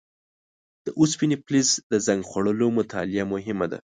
د اوسپنې فلز د زنګ خوړلو مطالعه مهمه ده.